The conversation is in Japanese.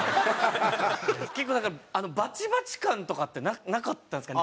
結構バチバチ感とかってなかったんですかね？